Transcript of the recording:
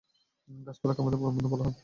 গাছপালাকে আমাদের পরম বন্ধু বলা হয়।